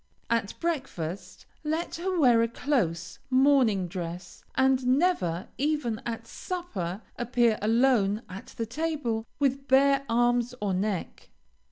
At breakfast let her wear a close, morning dress, and never, even at supper, appear alone at the table with bare arms or neck.